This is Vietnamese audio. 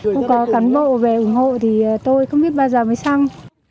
cũng có cán bộ về ủng hộ thì tôi không biết bao giờ mới xong